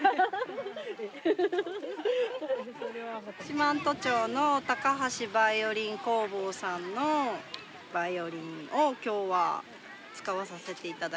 四万十町の高橋ヴァイオリン工房さんのバイオリンを今日は使わさせていただきました。